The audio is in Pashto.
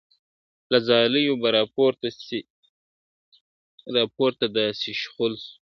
له ځالیو به راپورته داسي شخول سو ..